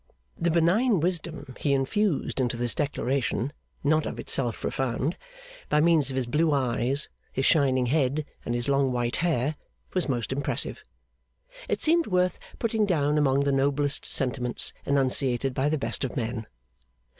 The benign wisdom he infused into this declaration (not of itself profound), by means of his blue eyes, his shining head, and his long white hair, was most impressive. It seemed worth putting down among the noblest sentiments enunciated by the best of men.